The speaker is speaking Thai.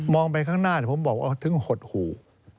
ไปข้างหน้าผมบอกว่าถึงหดหู่